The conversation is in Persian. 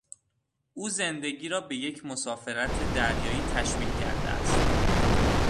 او زندگی را به یک مسافرت دریایی تشبیه کرده است.